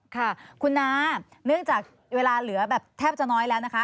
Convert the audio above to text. ค่ะคุณน้าเนื่องจากเวลาเหลือแบบแทบจะน้อยแล้วนะคะ